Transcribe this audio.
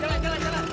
jalan jalan jalan